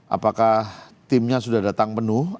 apakah timnya sudah datang penuh